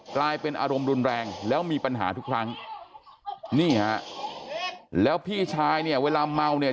กลายเป็นอารมณ์รุนแรงแล้วมีปัญหาทุกครั้งนี่ฮะแล้วพี่ชายเนี่ยเวลาเมาเนี่ย